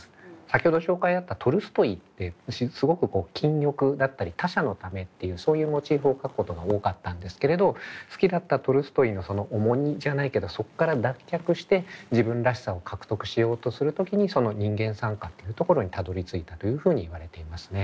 先ほど紹介あったトルストイってすごく禁欲だったり他者のためっていうそういうモチーフを書くことが多かったんですけれど好きだったトルストイのその重荷じゃないけどそっから脱却して自分らしさを獲得しようとする時にその人間賛歌っていうところにたどりついたというふうにいわれていますね。